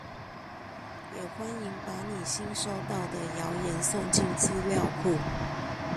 也歡迎把你新收到的謠言送進資料庫